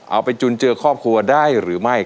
เอาไปจุนเจือครอบครัวได้หรือไม่